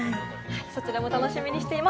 そちらも楽しみにしています。